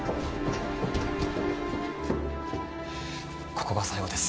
ここが最後です。